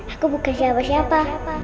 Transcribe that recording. aku bukan siapa siapa